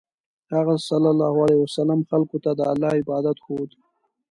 هغه ﷺ خلکو ته د الله عبادت ښوود.